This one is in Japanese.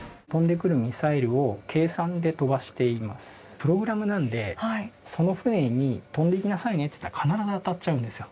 プログラムなんでその船に飛んでいきなさいねって言ったら必ず当たっちゃうんですよ。